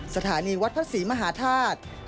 สถานีวัดพระศรีมหาธาตุ